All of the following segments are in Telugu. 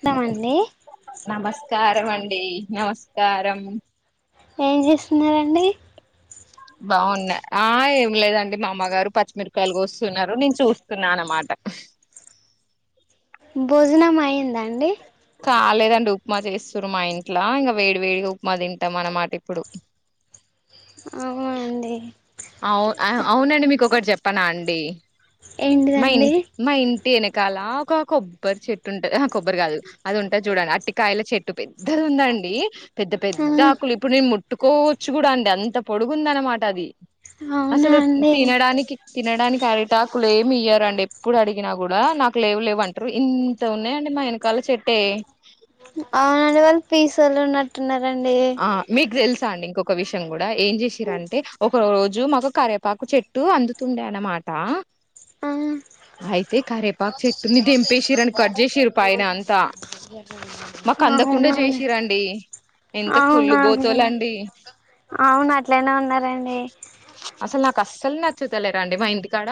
స్తామండి నమస్కారం అండి నమస్కారం ఏం చేస్తున్న రండి బాగున్నాయి ఆ ఏం లేదండి మా అమ్మగారు పచ్చిమిరకాయలు వస్తున్నారు నేను చూస్తున్నా అనమాట భోజనం అయిందండి కాలేదండి ఉప్మా చేస్తారు మా ఇంట్లో ఇంకా వేడి వేడిగా ఉప్మా తింటాం అనమాట ఇప్పుడు అవునండి అవు అ అవునండి మీకు ఓక్ ఒకటి చెప్పనా అండి ఏంటిదండి మైంట్ మ ఇం తనకాల ఒక కొబ్బరి చెట్టు ఉంటది ఆ కొబ్బరి కాదు అది ఉంటది చూడండి అట్టికాయల చెట్టు పెద్దది ఉందండి పెద్ద ఆ పెద్ద ఆకులు ఇప్పుడు నేను ము పట్టుకోవచ్చు కూడా అండి అంత పొడుగుంద అనమాట అది అవునా అసలు అండి తినడానికి తినడానికి క్యారీటాకులు ఏమి ఇయ్యారండి ఎప్పుడు అడిగినా కూడా నాకు లేవు లేవ అంటారు ఇంత ఉన్నాయంండి మా వెనకాల చెట్టే అవునండి వాళ్ళు పీసొలు ఉన్నట్టున్నరు ఆ మీగ తెల్స్ అండి ఇంకొక విషయం కూడా ఏం చేసిరంటే ఒక రోజు మాకు కరేపాకు చెట్టు అందుతుండే అనమాట ఆ అయితే కరేపాక చెట్టుని దంపేసిరని కట్ చేసిరు పైన అంత మాకు అందకుండా అవునండి చేసి రండి అవునా అండీ అవును అట్లనే ఉన్నరండి అసలు నాకు అస్సలు నచ్చుతలేరాండి మా ఇంటికాడ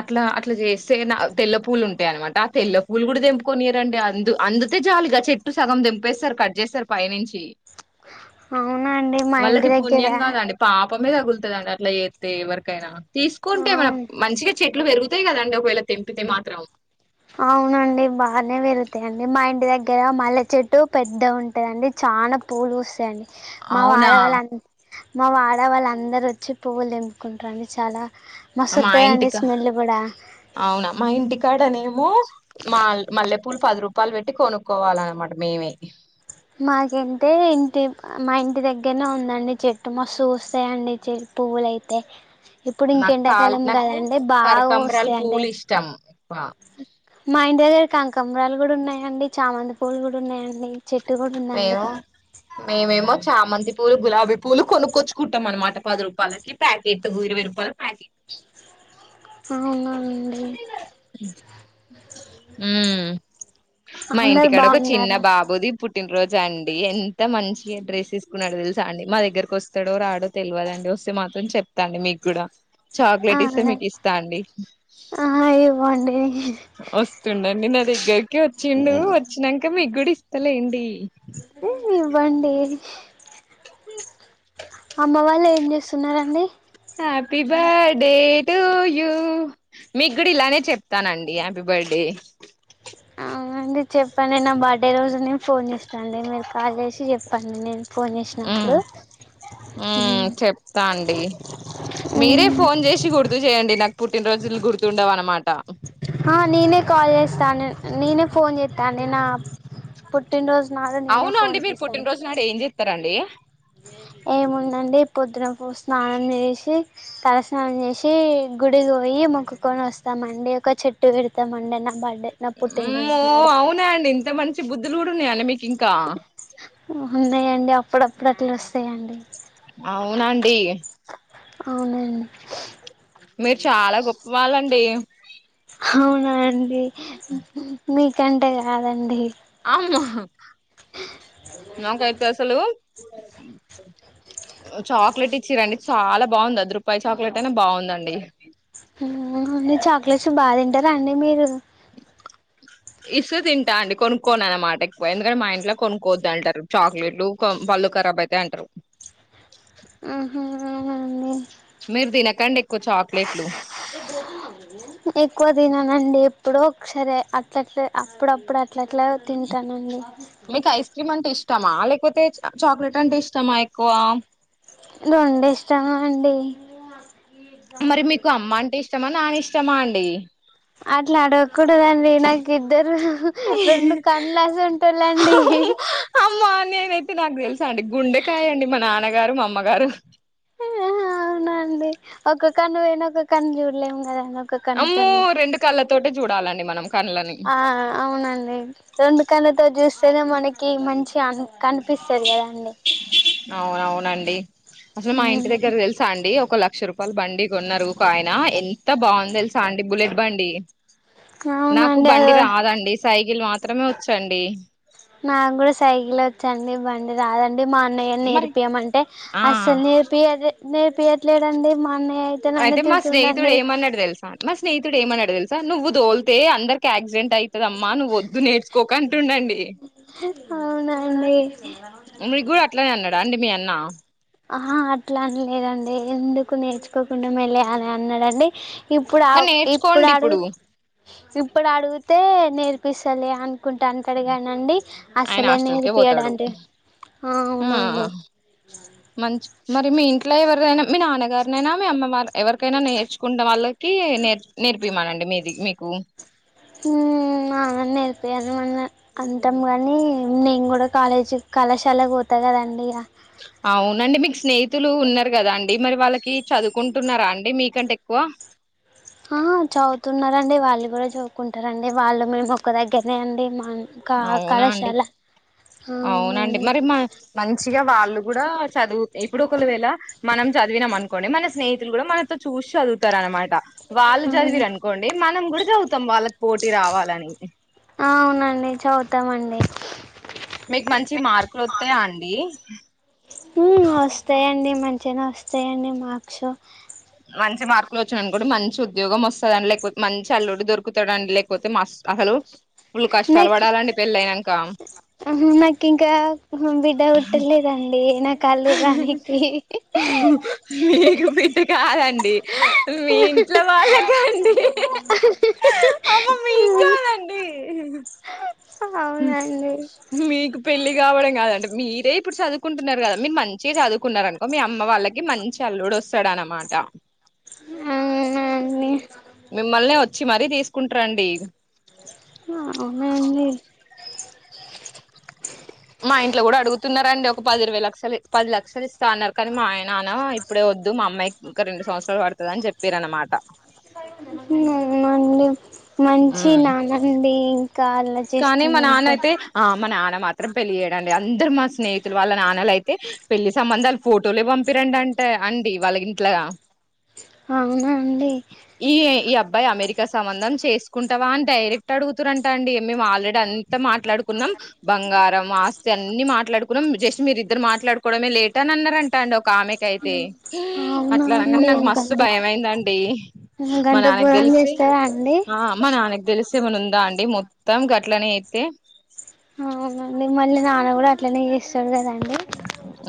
అట్లా అట్లా చేస్తే నా తెల్ల పూలు ఉంటాయి అనమాట ఆ తెల్ల పూలు కూడా ద తెంపుకొని రండి అందు అందుతే జాలీగా చెట్టు సగం దంపేస్తారు కట్ చేస్తారు పై నించి అవునా అండి మా ఇంటి దగ్గర ప్పమే తగులుతందండి అట్లా ఏతే ఎవరికైనా తీసుకుంటే మన అవును మంచిగా చెట్లు పెరుగు అంతే కదాండ కోయలా తెంపితే మాత్రం అవునండి బాగానే వెలుతు అంతే అండి మా ఇంటి దగ్గర మల్ల చెట్టు పెద్ద ఉంటందండి చాలా పూలు వస్తాయండి మా అవునా వాడవాళ్ళ మా వాడ వాళ్ళ అందరు వచ్చి పువ్వులు తెంపుకుంటారండి చాలా మా మస్తోత్తదండి ఇంటికా స్మెల్ కూడా అవునా మా ఇంటికాడనే మ మల్ మల్లె ప పూలు పది రూపాయలు పెట్టి కొనుక్కోవాలిన్నమాట మేమే మాకంటే ఇంటి మా ఇంటి దగ్గరనే ఉందండి చెట్టు మస్తు చూస్తాయంండి చెట్ పువ్వులైతే ఇప్పుడు నాకు కాల్ ఇంకెండాకాలం నాకు కదండి బాగా కరకంబరాల వస్తాయిండి పూలు ఇష్టం ఎక్కువ. మైండ కాంకంబరాలు కూడా ఉన్నాయండి చామంద పూలు కూడా ఉన్నాయండి చెట్టు కూడా ఉందండి మేము మేమేమో చా మంది పూలు గులాబీ పూలునుక్కొచ్చుకుంటాం అనమాట పది రూపాయలకి ప్యాకెట్ ఇరై రూపాయల ప్యాకెట్ ఆ అవునా అండి హమ్ మా అందరు ఇంటికాడ ఒక చిన్న బాగున్నారు బాబుది పుట్టినరోజు అండి ఎంత మంచిగా డ్రెస్ వేసుకున్నాడు తెలుసా అండి మా దగ్గరకి వస్తాడో రాడో తెలియదండి వస్తే మాత్రం చెప్తాండి మీకు కూడా ఆ చాక్లెట్ ఇస్తే మీకు ఇస్తా అండి ఆ ఇవ్వండి వస్తుండు అండి గ వచ్చిండు వచ్చినాక మీ గుడిస్తలేండి ఏవ్వండి [inaudible] వాళ్ళు ఏం చేస్తున్నారండి హ్యాపీ బర్త్డే టు యూ మీ కూడా ఇలానే చెప్తానండి హ్యాపీ బర్త్డే డే రోజ ను నేను ఫోన్ చేసినప్పుడు చెప్తా అండి మీరే ఫోన్ చేసి గుర్తు చేయండి నాకు పుట్టినరోజులు గుర్తు ఉండవు అన్నమాట అన్నమాట ఆ నేనే కాల్ చేస్తాను నేనే ఫోన్ చేస్తా నే నా పుట్టినరోజు నాడు నేనే అవున అండి ఫోన్ మీరు చేస్తాను పుట్టినరోజు నాడు ఏం చెస్తారండి ఏముందండి పొద్దునపు స్నానం చేసి తలస్నానం చేసి గుడికి పోయి మొక్కుకొని వస్తామండి ఒక చెట్టు పెడతామండిన్న బడే నా పుట్టింద నాడు లు గూడున్నాయండి మీకింకా హూ ఉన్నాయండి అప్పుడప్పుడు అట్లా వస్తాయండి అవునా అండి అవునన్ మీరు చాలా గొప్ప వాళ్ళండి హవునన్ డి మీ కంటే కాదండి అమ్మో నాకయితే అసలు చాక్లెట్ ఇచ్చిర్రండి చాలా బావుంది అర్దు రూపాయి చాక్లెట్ అయినా బావుందండి చాక్లేట్స్ బా తింటా రా అండి మీరు ఇస్తే తింటా అండి కొనుక్కోనం అనమాట ఎక్కువ ఎందుకంటే మా ఇంట్లో కొనుక్కోవద్దు అంటారు చాక్లెట్లు పళ్ళు కరబ్ అయితాయి అంటారు ఆహా అవునా అండి మీరు తినకండి ఎక్కువ చాక్లెట్లు ఎక్కువ తిననండి ఇప్పుడో ఒకసారే అట్లట్లే అప్పుడప్పుడ అట్లాట్లా తింటానండి పే ఇష్టమా లేకపోతే చాక్లెట్ అంటే ఇష్టమా ఎక్కువ రెండూ ఇష్టమే అండి మరి మీకు అమ్మ అంటే ఇష్టమా నాని ష్టమా అండి అట్లా అడగకూడదండి నాకు ఇద్దరు రెండు కండ్లసంటోళ్ళండి అమ్మా నేనయితే నాకు తెలుసా అండి గుండెకాయ అండి మా నాన్నగారు మా అమ్మగారు ఔనా అండి ఒక కన్ను పోయినా ఒక కన్ను చూడలేం కదండి ఒక అమ్మో కన్నతోని రెండు కళ్ళతోటే చూడాలండి మనం కళ్ళని ఆ అవునండి రెండు కళ్ళతో చూస్ తేనా మనకి మంచి అన్ కనిపిస్తది కదండి నండి అసలు మా ఇంటి దగ్గర తెలుసా అండి ఒ ఒక లక్ష రూపాయలు బండి కొన్నారు ఒక ఆయన ఎంత బావుంది తెలుసా అండి బుల్లెట్ బండి అవునా నాకు అండి అదొ బండి రాదండి సైకిల్ మాత్రమే వచ్చండి నాకు కూడా సైకిల్ వచ్చండి బండి రాదన్ డి మా అన్నయ్య మరి నేర్పియ్యమంటే ఆ అస్సలు నేర్పియ్యరే నేర్ పయట్లేదండి మన్నె అయితే మా స్నేహితుడు ఏమన్నాడు తెలుసా నా స్నేహితుడు ఏమన్నాడు తెలుసా నువ్వు తోల్తే అందరికి ఆక్సిడెంట్ ఆయి ద అమ్మా నువ్వు వద్దు నేర్చుకోకు అంటుండు అండి ఏ అవునండి రండి మీ అన్నా ఆహా అట్లా అని ఎమ్ లేదండి ఎందుకు నేర్చుకోకుండా మళ్ళీ యాలా అన్నాడండి ఇప్పుడు ఆ కానీ ఇప్పుడు నేర్చుకోండి అడుగు ఇప్పుడు అడిగితే నేర్పిస్తాలే అనీ కుంటా అంటడు కానీ అండి ఆయన అస్సలే హాస్టల్కే పోతాడు నేర్పియడండి ఆ అవునండి మంచి మరి మీ ఇంట్లో ఎవరైనా మీ నాన్నగారైనా మీ అమ్మ మ ఎవరికైనా నేర్చుకుంట వాళ్ళకి నేర్ నేర్పిమనండి మీది మీ కు హు మా అన్న [unintelligible] అంత టాం కానీ నేను కూడా కాలేజీ కళాశాల పోతా కదండి ఇగ అవునండి మీకు స్నేహితులు ఉన్నారు కదా అండి మరి వాళ్ళకి చదువుకుంటున్నారా అండి మీకంటే ఎక్కువ ఆ చదువుతున్నారండి వాళ్ళు కూడా చదువుకుంటారండి వాళ్ళు మేము ఓక్క దగ్గరనే అండి మా కా అవునా అండి కళాశాల అవునండి మరి మ మంచిగా వాళ్ళు కూడా చదువు ఇప్పుడు ఒక వేళ మనం చదివినం అనుకో కొండి మన స్నేహితులు కూడా మనతో చూసి చదువుతారు అనమాట వాళ్ళు చదివిర్రు అనుకోండి మనం కూడా చదువుతాం వాళ్ళకి పోటీ రావాలని అవునండి చదువుతామండి మీకు మంచి మార్కులు వస్తాయా అండి ఉ వస్తాయండి మంచిగానే వస్తాయండి మార్క్స్ మంచి మార్కులు వచ్చాననుకోండి మంచి ఉద్యోగం వస్తది లేకపోతే మంచి అల్లుడు దొరుకుతదండి లేకపోతే మస్ అసలు ఫుల్ కష్టాలు నాకి పడాలండి పెళ్ళయినాక నాకి ఇంకా బిడ్డ పుట్టలేదండి నాకు మీకు బిడ్డ కా కాదండి మీ ఇంట్లో వాళ్ళకు అండి అమ్మ మీ కాదండి అవునండి మీకు పెళ్లి కావడం కాదండి మీరే ఇప్పుడు చదువు చదుకుంటున్నారు కదా మీరు మంచిగా చదువుకున్నారనుకో మీ అమ్మ వాళ్ళకి మంచి అల్లుడు వస్తాడు అనమాట అవునా అండి మీమ్మల్నే వ వచ్చి మరీ తీసుకుంటారండి ఆ అవున అండి మా ఇంట్లో కూడా అడుగుతున్నారండి ఒక పది ఇరవై లక్షలు పది లక్షలు ఇస్తా అన్నారు కానీ మా ఆయ నాన్న ఇప్పుడే వద్దు మా అమ్మాయికి ఇంకా రెండు సంవత్సరాలు పడుతదని చెప్పిరు అనమాట అవునా మంచి ఉమ్ నాన్న అండి కానీ మా నాన్న అయితే ఆ మ నా మాత్రం పెళ్లి చేయడండి అందరు మా స్నేహితులు వాళ్ళ నాన్నలు అయితే పెళ్లి సంబంధాలు ఫోటోలు పంపిరండి అంటే అండి వాళ్ళకి ఇంట్లా అవునా అండి ఇక సంబంధం చేసుకుంటావా అని డైరెక్ట్ అడుగుతురుంట అండి మేము ఆల్రెడి అన్ అంత మాట్లాడుకున్నాం బంగారం ఆస్తి అన్ని మాట్లాడుకున్నాం జస్ మీరు ఇద్దరు మాట్లాడుకోవడమే లేట్ అని అన్నారంట అండి ఓకామెకయితే ఇహ్ అవునా అట్లా అనంగానే అండి నాకు మస్తు గంత భయం అయిందండి మా గంత నాన్నకి ఘోరం తెలిసి చేస్తారా అండి ఆ మా నాన్నకి తెలిసి ఏమన్నా ఉందా అండి మొం త్తం గట్లనే అయితే ఇట్లనే చేస్తరు కదా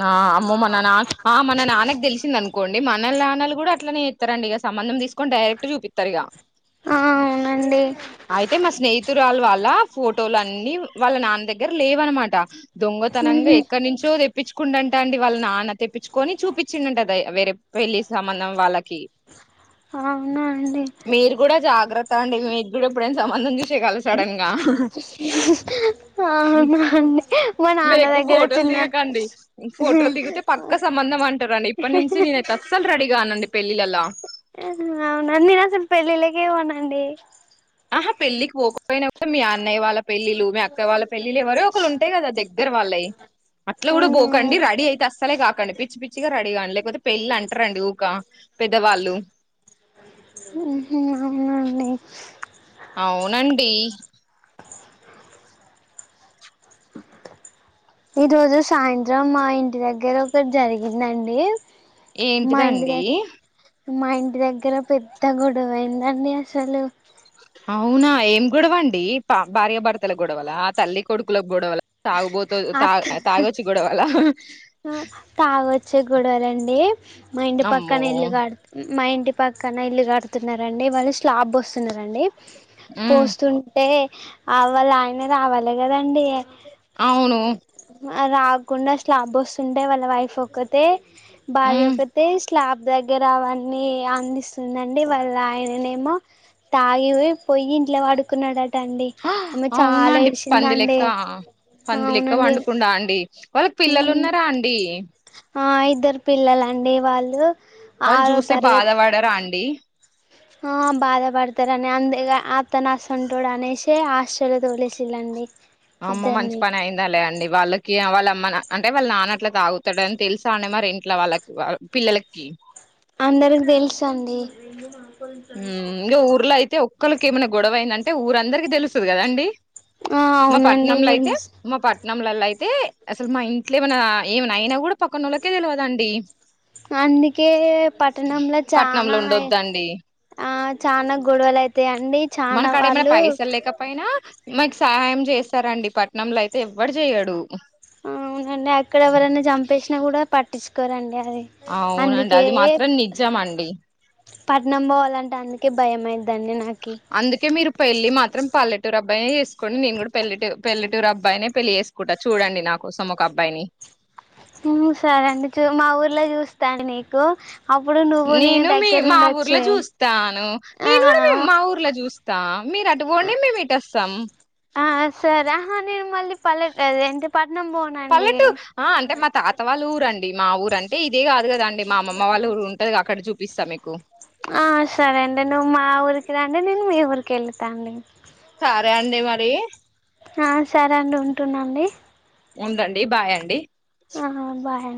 ఆ అమ్మో మ నా నా ఆ మన నాన్నకి తెలిసిందనుకో కోండి మన నాన్నలు కూడా అలానే చేస్తారండి ఇక సంబంధ తీకొని డైరెక్ట్ చూపిత్తరు ఇగ ఆ అవునండి రాలు వాళ్ళ ఫోటోలు అన్ని వాళ్ళ నాన్న దగ్గర లేవనమాట దొంగతనంగా ఉహు ఎ కొంచో తెప్పించుకుంట అండి వాళ్ళ నాన్న తెప్పించుకొని చూపించిందంట వేరే పెళ్లి సంబంధం వాళ్ళకి అవునా అండి గ్రత అండి మీకూడా ఎప్పుడైనా సంబంధం చూసి ఆ మా మా మీరు నాన్న ఎక్కువ దగ్గర ఫోటోలు చిన్న దిగకండి ఫోటోలు దిగితే పక్క సంబంధం అంటారండి ఇప్పటి నుంచి నేను అయితే అసలు రెడీ కానండి పెళ్ళిలలా అండి ఆహా పెళ్లికి పోకపోయినా మీ అన్నయ్య వాళ్ళ పెళ్ళిళ్లు మీ అక్క వాళ్ళ పెళ్ళిళ్లు ఎవరో ఒకళ్ళు ఉంటయి కదా దగ్గర వాళ్ళయి అట్లా కూడా పోకండి ఉహు రెడీ అయితే అస్ అసలేే కాకండి పిచ్చి పిచ్చిగా రెడీగాండి లేకపోతే పెళ్ళి అంటారండి ఊకా ఉహు అవునా అండి అవునండి ఈరోజు సాయంత్రం మా ఇంటి దగ్గర ఒకటి జరిగిందండి మా ఇంటి ఏంటిదండి దగ్గర మా ఇంటి దగ్గర పెద్ద గొడవయిందండి అసలు అవునా ఏం గొడవ అండి పా భార్యాభర్తల గొడవల తల్లి కొడుకులకు గొడవల తాగుబోత తా అత్ తాగొచ్చి గొడవల గొడవల అండి మా ఇంటి పక్కన అమ్మో ఇల్లు కాడుతు మా ఇంటి పక్కన ఇల్లు కడుతున్నారండి వాళ్ళు స్లాబ్ వ్యేస్తున్నారండి ఉమ్ పోస్తుంటే అవ్వళయనే రావాల అ కదండి అను రాకుండా స్లాబ్ వస్తుంటే వాళ్ళ వైఫ్ ఒకతే ఉమ్ బయగాకతే క్లాబ్ దగ్గర అవన్నీ అందిస్త నండే వల్ల ఆయన మా తయి పోయి ఇంట్లో వాడుకున్నాడా టండి హ, అమ్మ చాలా ఏడిచిందండి పందులేక్కే పండుకుందాండి వాళ్ళకి పిల్లలు ఉన్నారా అండి ఆ ఇద్దరు పిల్లల అండి వాళ్ళు వాళ్ళు ఆరో చూసే బాధ తరగతి పడరా అండి ఆ బాధపడతారని అంతేగా అనా సంటోడు అనేసి ఆ కష్టాల తోలేసిల్లండి అమ్మ మంచి ఇద్దరిని పని అయిందా లే అండి వాళ్ళకి వాళ్ళ అమ్మ అంటే వాళ్ళ నాన్న అట్లా తాగుతాడని తెలుసా అనే మరి ఇంట్లో వాళ్ళకి పిల్లలకి అందరికి తెలుసు అండి హ ఇం ఊర్లా అయితే ఒక మక్కలకి ఏమైన గొడవ అయిందంటే ఊరందరికీ తెలుస్తుంది కదా అండి ఆ అవునండి నమ్మలల్లో అయితే అసలు మా ఇంట్లో ఏమైన్నా అయినా కూడా పక్కనోలకే తెలవదండి అందుకే పట్టణంలో పట్నంలో చనా ఉండొద్దండి ఆ చాల గొడవలు అవుతాయి అండి మనకాడ ఏమైనా పైసలు లేకపోయినా మాకు సహాయం చేస్తారండి పట్నంలో అయితే ఎవ్వడు చెయడు అవునండి అక్కడ ఎవరనా చంపేసినా కూడా పట్టించుకోరండి అది అవునండి అందుకే అది మాత్రం నిజమ అండి పట్నం పోవాలంటే అందుకే భయమైంది అందుకే మీరు పెళ్లి మాత్రం పల్లెటూరు అబ్బా బై కోన్ నే కూడా పెళ్లె పెళ్ల పట్టూరు అబ్బాయినే పెళ్ళి చేసుకుంటా చూడండి నా కోసం ఒక అబ్బాయిని సరే అండి చూ మా ఊర్లో చూస్తాం నీకు అప్పుడు నువ్వు నేను మీ దగ్గర మా ఊర్లో ఉండొచ్చే చూస్తాను ఆ నేను కూడా మా ఊర్లో చూస్ తా మీరు అటుగండి మేము ఇటుొస్తాం ఆ సరేహా నేను మళ్ళీ పల్లె ఎంటి పా పల్లెటటు ఆ అంటే మా తాత వాళ్ళు ఊరండి మా ఊరండి ది కాద కదండి మా అమ్మ వాళ్ళు ఉంటది అక్కడ చూ వీసా ఆ సరే అండి నువ్వు మా ఊరికి రండి నేను మీ ఊరికి వెళతా అండి సరే అండి మరి ఆ సరే అండి ఉంటున్నాండి ఉండండి బాయండి ఆ బాయ్ అం